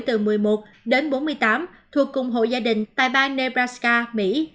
từ một mươi một đến bốn mươi tám thuộc cùng hộ gia đình tại bang nebraska mỹ